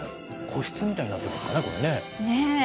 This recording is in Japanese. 個室みたいになってますかね、これね。